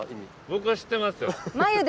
僕は知ってますよ。